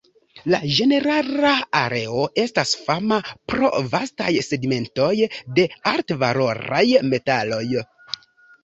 La ĝenerala areo estas fama pro vastaj sedimentoj de altvaloraj metaloj.